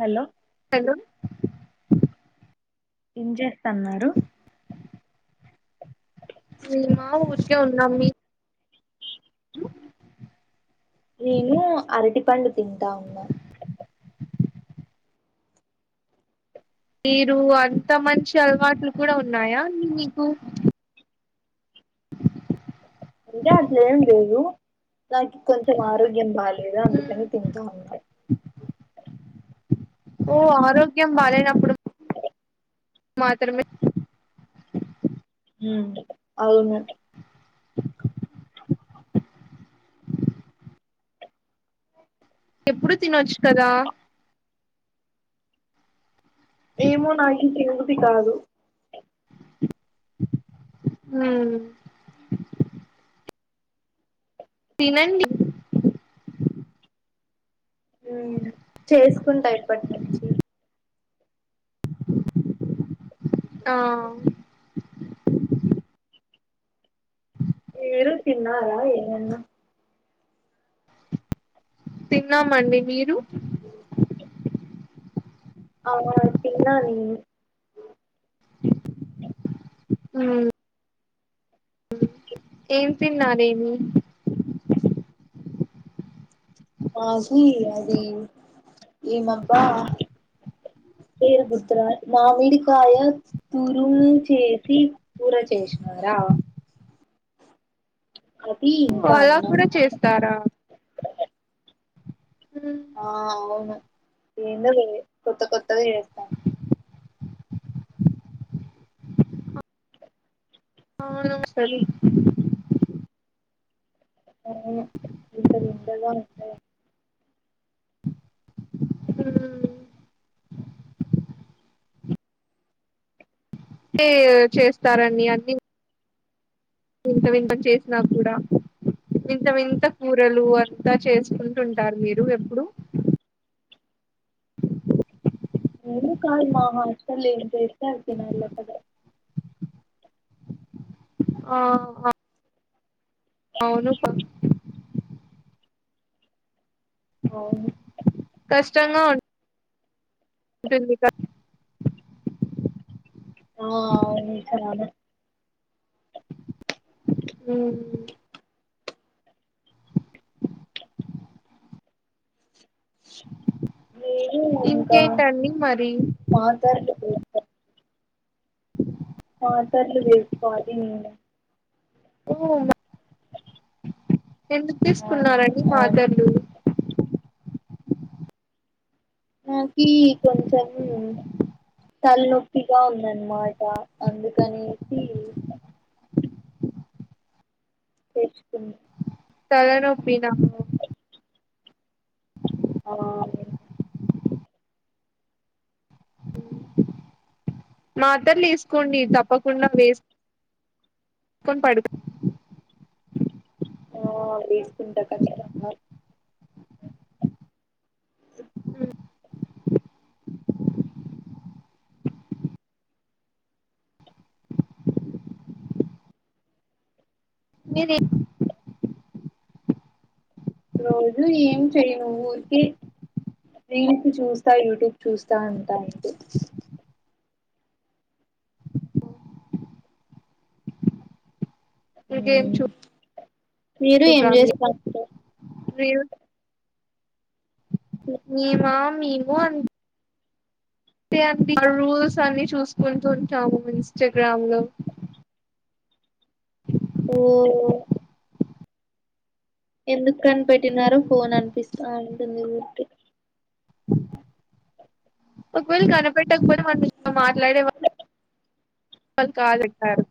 Hello hello ఏం చేస్తన్నారు మా ఊరికే ఉన్నాం మీ నేను అరటి పండు తింటా ఉన్నా మీరు అంత మంచి అలవాట్లు కూడా ఉన్నాయా మీకు ఇకా అట్లే ఏం లేేవు నాకు కొంచెం ఆరోగ్యం బాలేదు అందుకని తింటూ ఉంటాయి ఓ ఆరోగ్యం బాలేనప్పుడు మాత్రమే ఉ అవును ఎప్పుడు తినచ్చు కదా ఏమో నాఈ తినబుద్ది కాదు ఉ తినండి చేసుకుంటా ఇప్పటి నుంచి ఆ మీరు తిన్నారా ఏమన్నా తిన్నామండి మీరు ఆ తిన్న నేను అ ఏం తిన్నారేమి మాది అది ఏమబ్బా పేరు గుర్తురావట్లే మమిడికాయ తురు చేసి కూర చేసినారా అ ఇంకా అలా అన్నం కూడా చేస్తారా ఆ అవును కొత్త కొత్తగా చేస్తా నమస్తే అవుంత వింత వింతగా ఉంటాయి హ చేస్తారని అన్ని ఇంత వింత చేసినా కూడా వింత వింత కూరలు అంతా చేసుకుంటుంటారు మీరు ఎప్పుడు ఉ నువ్వు కాదు మా హస్టల్ ఏది పెడితే అది తినాలా లేకపోతే ఆ హు అవును పంపించరు అవును కష్టంగా ఉంటూది ఎన్ని కష్టాలు ఆ అవును ఉ హు నేను ఇంకా ఇంకేటడీ మరి మాతర్లు ఆన్సర్లు నేర్చుకోవాలి అవునా ఎందుకు ఆ తీసుకున్నారండి అవును మాతర్లు నాకి కొంచము తలనొప్పిగా ఉందనమాట అందుకనేసి చేసుకుంది తలనొప్పి నాకు ఆ ఊ మాత్రలు వసుకోండి తప్పకుండా వేస్ వేసుకొని పడుకోండి ఆ వేసుకుంటా కచ్చితంగా ఉ మీరే ఈరోజు ఏం చెయను ఊరికే రీల్స్ చూస్తా యూట్యూబ్ చూస్తా ఉంటా అంతే ఇంకేమ్ చూ మీరు ఏం జేస్తా ఉంటరు రీల్ మేమా మేము అన్ తె అండి ఆ రూల్స్ అన్ని చూసుకుంటుంటాము మేం ఇన్స్టాగ్రామ్ లో ఓ ఎందుకు కని పెట్టినారో ఫోన్ అనిపిస్తా అంటుంది ఊరికె ఒకవేళ కనిపెట్టక పోతే మనం ఇట్ల మాట్లాడేవాల్ కాదు ఎక్కారు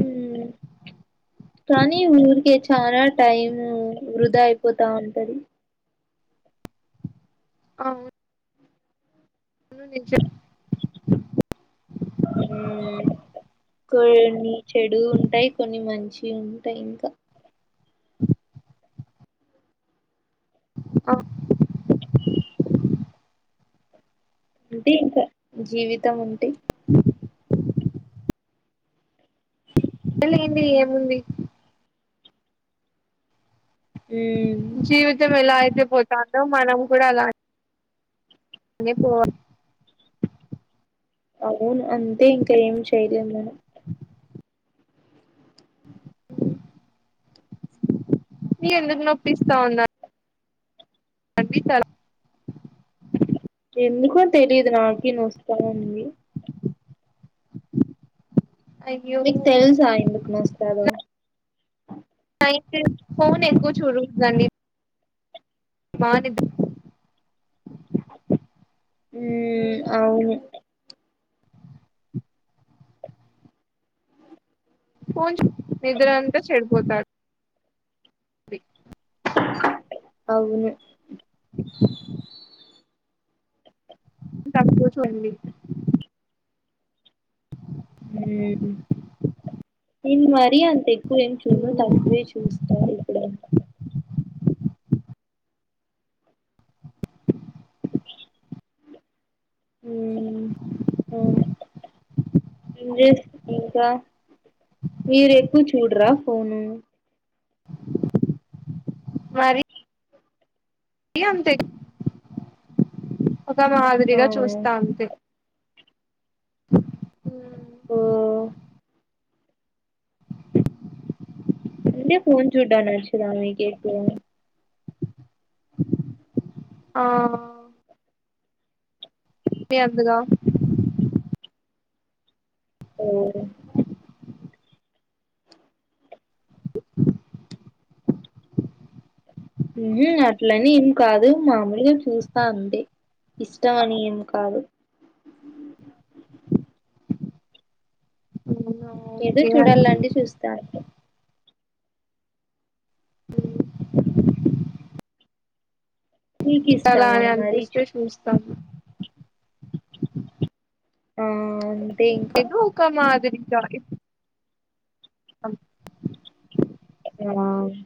ఉమ్ కానీ ఊరికే చాలా టైమ్ వృధా అయిపోతా ఉంటది అవున్ అవును నేన్చెప్ ఉమ్ కొన్ని చెడు ఉంటాయి, కొన్ని మంచి ఉంటాయి ఇంకా అ అంతే ఇంకా జీవితం అంటే ళ్ళలగెంది ఏముంది మ్మ్. జివితం ఏలాయితే పోతాందో మనం కూడా అలాన్ నే పోవ అవును అంతే ఇంకా, ఏం చేయలేం మనం. ఉమ్ మీరెందుకు నొప్పిస్తా ఉన్నర్ అవ్వి తళ ఎందుకో తెలియదు నాకీ నొస్తావుంది. అయ్యో మీకు తెల్సా ఎందుకు నోస్తాదో? అయితే ఫోన్ ఎక్కువ చూడోద్ధండి మానేద్ధం ఉమ్ అవునంట ఫోన్ చూ నిద్రంతా చెడిపోతాద్ ది అవును తక్కువ చూడండి ఉమ్ నెన్ మర్ రీ అంత ఎక్కువేం చూడను తక్కువే చూస్తా ఇప్పుడైనా ఉమ్ అవును ఏం చేస్తుర్రు ఇంకా మీరు ఎక్కువ చూడరా ఫోను వరి రీ అంతే ఒక మాదిరిగా అవును చూస్తా అంతే ఉమ్ ఓ అంటే ఫోన్ చూడ్డమ్ నచ్చదా మీకేక్కువ ఆ రీ అంతగా ఉమ్ ఉమ్ హ్ అట్లని ఏం కాదు, మామూలుగ చూస్తా అంతె ఇష్టం అని ఏం కాదు అవునా ఏదో ఓకే అండి చూడాలంటె చూస్తా అంతే మీకు అలా ఇష్టమా అని మరి అనిపిస్తే చూ చూస్తాను. ఆ ఇంకా ఏదో ఒక మాదిరిగా ఇపు అమ్ నాని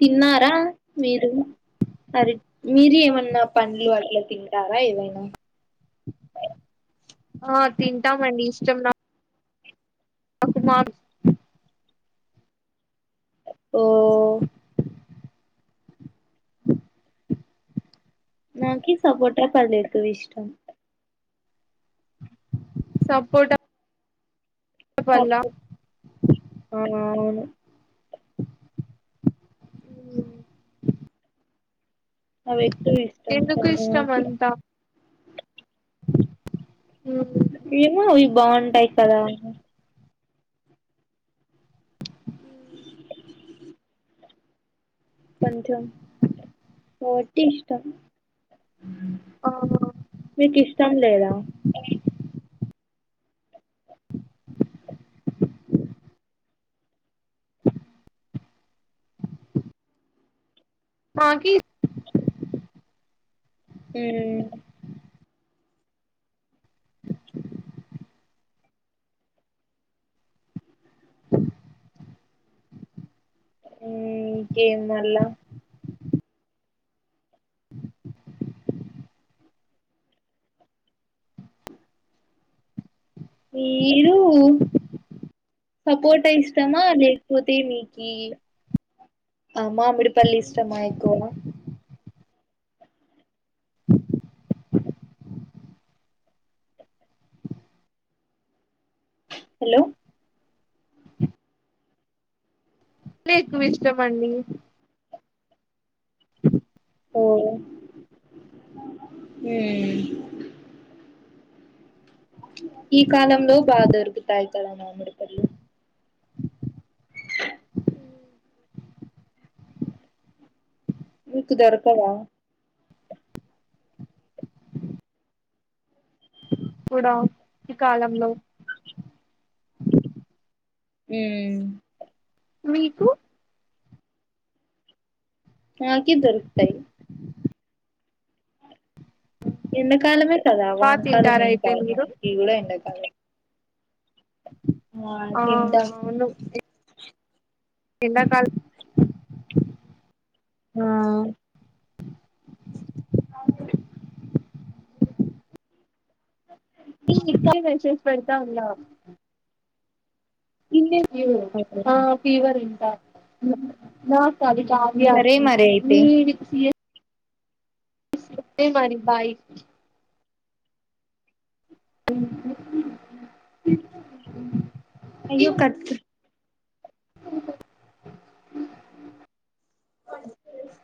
తిన్నారా మీరు అరే మీరి ఏమన్నా పండ్లు అట్లా తింటారా ఏవైనా అ ఆ తింటాము అండి ఇష్టం నా అకుమార్ ఓ నాకి సపోటా పండ్లు ఎక్కువ ఇష్టం సపోటా ఆ పళ్ళ అవును అవే ఎందుకు ఇష్టము అంతా ఏమో ఇవి బాగుంటాయి కదా అని కొంచెం వాటి ఇష్టం ఆ మీకు ఇష్టం లేదా ఆకిర్ ఉ ఉ ఇంకేం మల్ల ఏరు సపోటా ఇష్టమా లేకపోతే మీకి ఆ మామిడిపళ్లు ఇష్టమా ఎక్కువగా హలో ఎక్కువ ఇష్టమండి హ తోను ఉ ఈ కాలంలో బాగా దొరుకుతాయి కదా మామిడిపళ్లు మీకు దొరకవా ఇప్పుడా ఈ కాలంలో ఉ మీకు నాకి దొరుకుతాయి ఎండ కాలమే కదా వాన బాగా కాలం తింటార ఏం అయితే కాదు మీరు గీ కూడా ఎండ కాలమే ఆ తింటాం అవును అప్ ఏ ఎండ కాల ఆ అవుతుంది పీ నిక్కలు మెసేజ్ పెడ్తా ఉన్నా ఇన్నె ఫివ్ ఆ ఫీవర్ ఇంకా అంట నాకు చాలి చాలి సరే మరి అయితే అప్పిసియే వే మరి బాయ్ అయ్యొ కట్కు కాన్ఫిరెన్స్